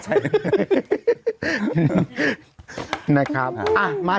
คุณแม่ของคุณแม่ของคุณแม่